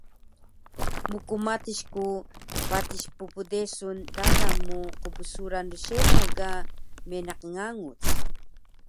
mkmatis ku patis ppdesun dadan mu qbsuran rseno ga meniq nganguc